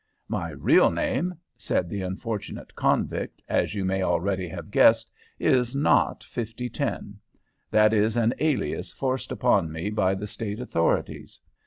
"My real name," said the unfortunate convict, "as you may already have guessed, is not 5010. That is an alias forced upon me by the State authorities.